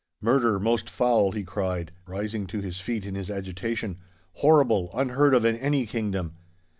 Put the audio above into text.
'Murder, most foul,' he cried, rising to his feet in his agitation, 'horrible, unheard of in any kingdom!